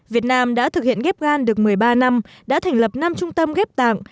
việt nam đã thực hiện ghép gan được một mươi ba năm đã thành lập năm trung tâm ghép tạng